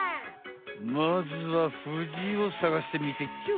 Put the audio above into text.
まずはフジをさがしてみてちょ！